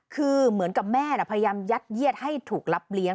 คือเหมือนกับแม่พยายามยัดเยียดให้ถูกรับเลี้ยง